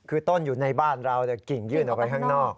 คือต้นอยู่ในบ้านเราแต่กิ่งยื่นออกไปข้างนอก